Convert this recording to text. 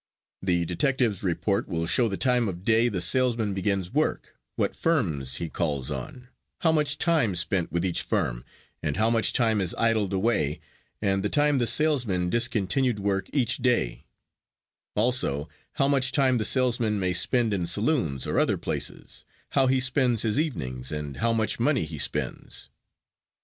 The detective's report will show the time of day the salesman begins work, what firms he calls on, how much time spent with each firm, and how much time is idled away, and the time the salesman discontinued work each day; also how much time the salesman may spend in saloons or other places, how he spends his evenings and how much money he spends.